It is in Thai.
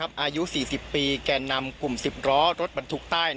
อายุ๔๐ปีแก่นำกลุ่ม๑๐ล้อรถบรรทุกใต้